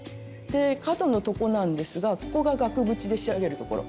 で角のとこなんですがここが額縁で仕上げるところ。